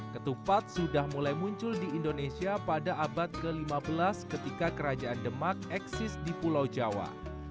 ketupat sudah mulai muncul di indonesia pada abad ke lima belas ketika kerajaan demak eksis di pulau jawa